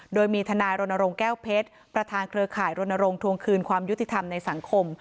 โดยมีทนายรณรงค์แก้วเพชรประธานเครือข่ายรณรงค์ทวงคืนความยุติธรรมในสังคม